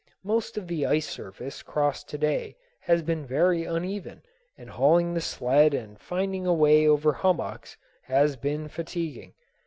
Most of the ice surface crossed to day has been very uneven, and hauling the sled and finding a way over hummocks has been fatiguing.